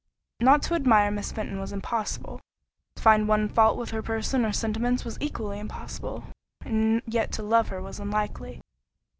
Not to admire Miss Fenton was impossible—to find one fault with her person or sentiments was equally impossible—and yet to love her was unlikely.